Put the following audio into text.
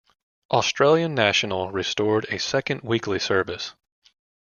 Australian National restored a second weekly service.